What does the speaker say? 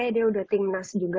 dia udah ting nas juga